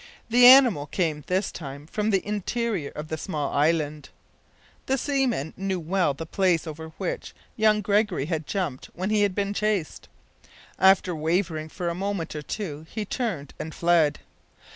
The animal came this time from the interior of the small island. The seaman knew well the place over which young Gregory had jumped when he had been chased. After wavering for a moment or two he turned and fled.